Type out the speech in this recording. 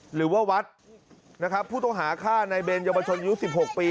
หรือว่าวัดนะครับผู้ต้องหาฆ่าในเบนเยาวชนอายุ๑๖ปี